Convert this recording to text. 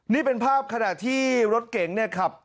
นี่เป็นภาพขณะที่รถเก๋งเนี่ยขับ